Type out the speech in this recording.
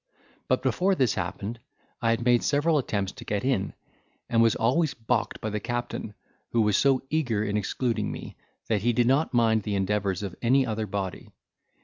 But before this happened, I had made several attempts to get in, and was always balked by the captain, who was so eager in excluding me, that he did not mind the endeavours of any other body.